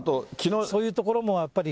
そういうところもやっぱり。